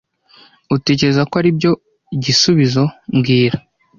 Utekereza ko aribyo gisubizo mbwira